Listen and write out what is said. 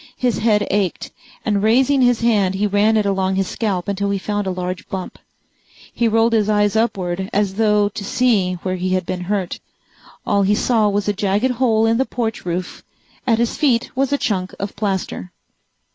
His head ached, and raising his hand he ran it along his scalp until he found a large bump. He rolled his eyes upward as though to see where he had been hurt. All he saw was a jagged hole in the porch roof. At his feet was a chunk of plaster.